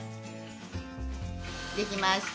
できました。